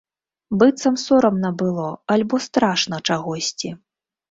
Быццам сорамна было альбо страшна чагосьці.